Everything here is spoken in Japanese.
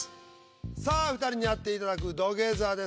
さあ２人にやっていただく土下座です。